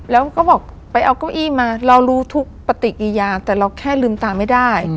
แล้วก็บอกไปเอาเก้าอี้มาเรารู้ทุกปฏิกิยาแต่เราแค่ลืมตาไม่ได้